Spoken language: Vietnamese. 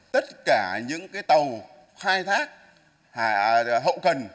tất cả những cái tàu khai thác hậu cần